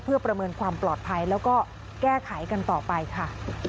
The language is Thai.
เพื่อประเมินความปลอดภัยแล้วก็แก้ไขกันต่อไปค่ะ